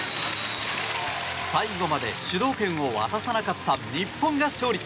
最後まで主導権を渡さなかった日本が勝利。